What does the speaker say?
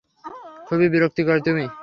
খুবই বিরক্তিকর তুমি।